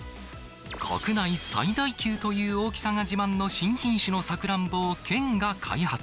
国内最大級という大きさが自慢の新品種のさくらんぼを、県が開発。